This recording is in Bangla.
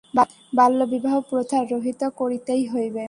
বাল্যবিবাহ প্রথা রহিত করিতেই হইবে।